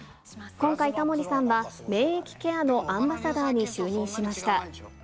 今回、タモリさんは、免疫ケアのアンバサダーに就任しました。